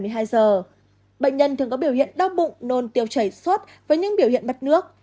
bệnh nhân thường có biểu hiện đau bụng nôn tiêu chảy suốt với những biểu hiện mặt nước